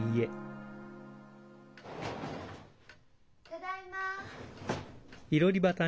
ただいま。